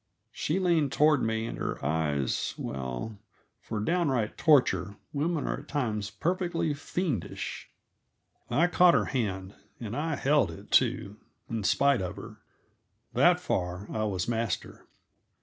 She leaned toward me, and her eyes well, for downright torture, women are at times perfectly fiendish. I caught her hand, and I held it, too, in spite of her. That far I was master.